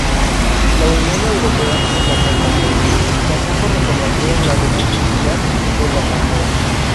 La Unión Europea y la Santa Sede tampoco reconocieron la legitimidad de la Asamblea.